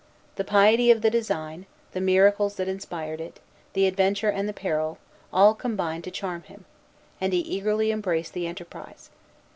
The piety of the design, the miracles that inspired it, the adventure and the peril, all combined to charm him; and he eagerly embraced the enterprise.